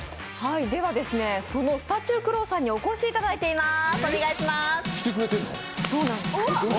そのスタチュークロウさんにお越しいただいています。